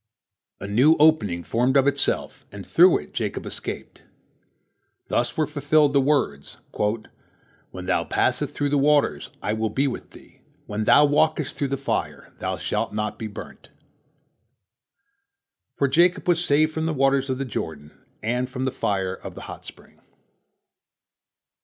A new opening formed of itself, and through it Jacob escaped. Thus were fulfilled the words, "When thou passest through the waters, I will be with thee; when thou walkest through the fire, thou shalt not be burnt," for Jacob was saved from the waters of the Jordan and from the fire of the hot spring.